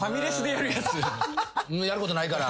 やることないから。